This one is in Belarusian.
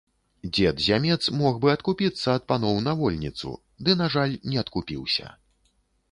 Дзед зямец мог бы адкупіцца ад паноў на вольніцу, ды, на жаль, не адкупіўся.